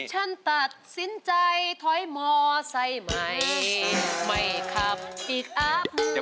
ฉันตัดสินใจถอยหมอใส่ไมค์ไม่ขับติดอัพมึง